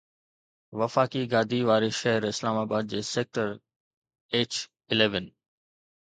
وفاقي گادي واري شهر اسلام آباد جي سيڪٽر HXI